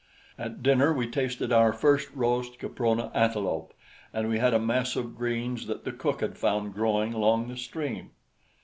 At dinner we tasted our first roast Caprona antelope, and we had a mess of greens that the cook had found growing along the stream.